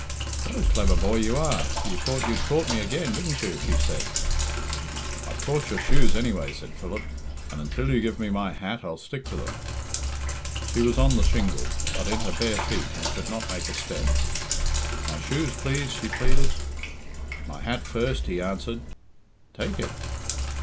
"What a clever boy you are! You thought you'd caught me again, didn't you?" she said. "I've caught your shoes, anyway," said Philip, "and until you give me my hat I'll stick to them." She was on the shingle, but in her bare feet, and could not make a step. "My shoes, please?" she pleaded. "My hat first," he answered. "Take it."